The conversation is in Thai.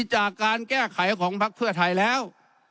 จากการแก้ไขของภักดิ์เพื่อไทยแล้ว